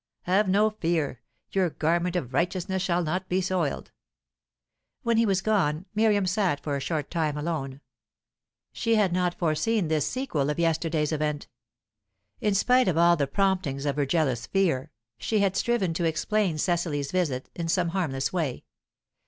"Have no fear. Your garment of righteousness shall not be soiled." When he was gone, Miriam sat for a short time alone. She had not foreseen this sequel of yesterday's event. In spite of all the promptings of her jealous fear, she had striven to explain Cecily's visit in some harmless way.